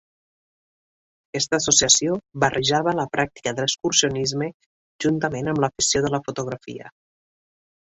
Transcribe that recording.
Aquesta associació barrejava la pràctica de l'excursionisme juntament amb l'afició de la fotografia.